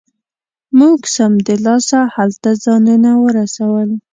موږ سمدلاسه هلته ځانونه ورسول.